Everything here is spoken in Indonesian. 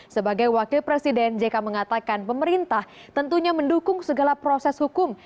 sebagai wakil presiden jk mengatakan pemerintah tentunya mendukung segala proses hukum